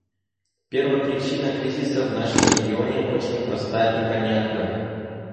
Первопричина кризиса в нашем регионе очень проста и понятна.